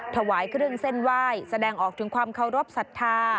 ถวายเครื่องเส้นไหว้แสดงออกถึงความเคารพสัทธา